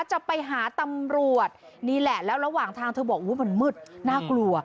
จะไปหาตำรวจนี่แหละแล้วระหว่างทางเธอบอกมันมืดน่ากลัว